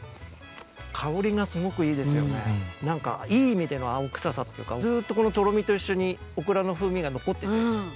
なんかいい意味での青臭さというかずーっとこのとろみと一緒にオクラの風味が残ってて。